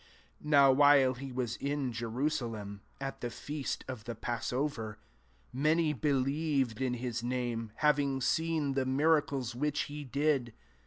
23 NOW, while he was iu Jerusalepi, at the feast of thet passover, many believed in his name, having seen the miracles which he did.